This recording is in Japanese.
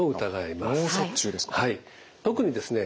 特にですね